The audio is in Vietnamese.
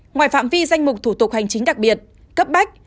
ngoài phạm vi danh mục thủ tục hành chính đặc biệt cấp bách